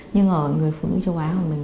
nhưng ở người phụ nữ châu á của mình